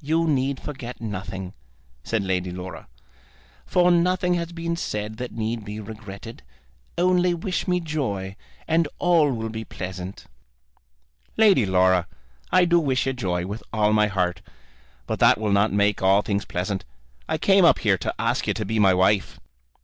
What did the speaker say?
You need forget nothing," said Lady Laura, "for nothing has been said that need be regretted. Only wish me joy, and all will be pleasant." "Lady Laura, I do wish you joy, with all my heart, but that will not make all things pleasant. I came up here to ask you to be my wife."